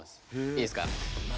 いいですか？